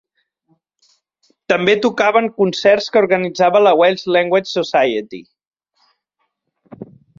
També tocaven concerts que organitzava la Welsh Language Society.